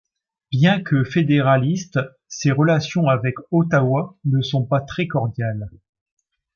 Bien que fédéraliste, ses relations avec Ottawa ne sont pas très cordiales.